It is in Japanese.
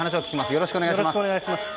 よろしくお願いします。